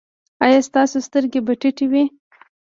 ایا ستاسو سترګې به ټیټې وي؟